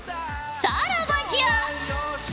さらばじゃ！